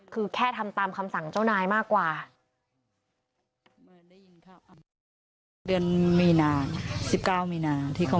คือแค่ทำตามคำสั่งเจ้านายมากกว่า